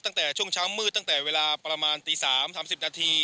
ตั้งแต่ช่วงเช้ามืดตั้งแต่เวลาประมาณตี๓๓๐นาที